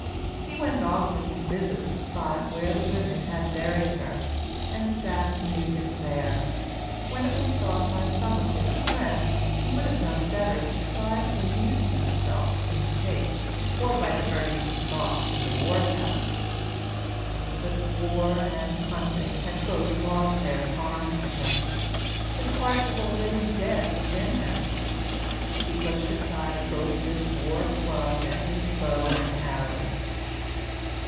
He went often to visit the spot where the women had buried her, and sat musing there, when, it was thought by some of his friends, he would have done better to try to amuse himself in the chase, or by diverting his thoughts in the warpath. But war and hunting had both lost their charms for him. His heart was already dead within him. He pushed aside both his war club and his bow and arrows.